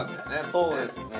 そうですね